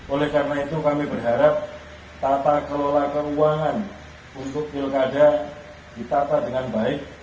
oleh karena itu kami berharap tata kelola keuangan untuk pilkada ditata dengan baik